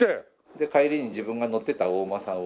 で帰りに自分が乗ってたお馬さんを。